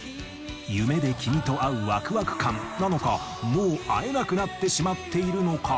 夢で君と会うワクワク感なのかもう会えなくなってしまっているのか？